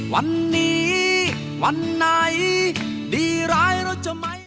วันนี้วันไหนดีร้ายเราจะไหม